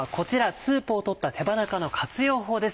スープを取った手羽中の活用法です。